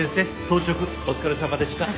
当直お疲れさまでした。